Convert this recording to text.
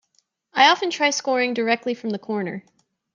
I often try scoring directly from the corner.